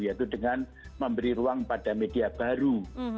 yaitu dengan memberi ruang pada media baru